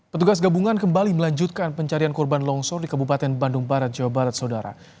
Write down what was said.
petugas gabungan kembali melanjutkan pencarian korban longsor di kabupaten bandung barat jawa barat saudara